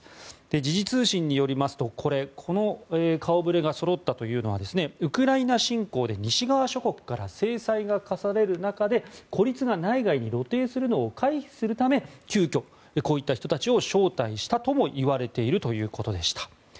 時事通信によりますとこの顔触れがそろったというのはウクライナ侵攻で西側諸国から制裁が科される中で孤立が内外に露呈するのを回避するため急きょ、こういった人たちを招待したともいわれているということでした。